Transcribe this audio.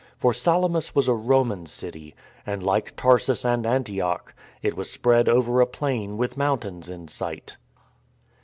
For Salamis was a Roman city, and like Tarsus anTl Antioch, it was spread over a plain with mountains in sight.